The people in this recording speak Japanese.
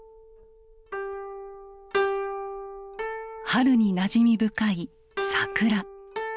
春になじみ深い「さくら」。